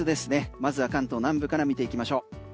まず関東南部から見ていきましょう。